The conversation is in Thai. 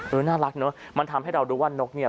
น่ารักเนอะมันทำให้เรารู้ว่านกเนี่ย